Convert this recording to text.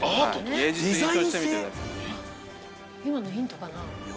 今のヒントかな？